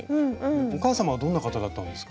お母さまはどんな方だったんですか？